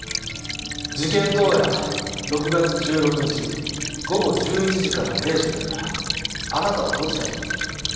事件当夜６月１６日午後１１時から０時の間あなたはどちらに？